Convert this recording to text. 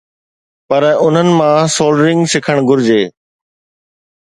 پر انهن مان سولڊرنگ سکڻ گهرجي.